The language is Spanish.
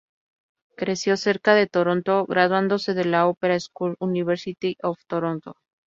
Creció cerca de Toronto graduándose de la "Opera School University of Toronto".